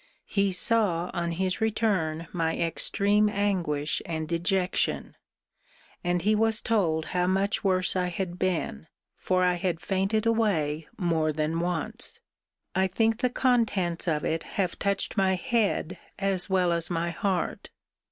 He saw, on his return, my extreme anguish and dejection; and he was told how much worse I had been: for I had fainted away more than once. I think the contents of it have touched my head as well as my heart.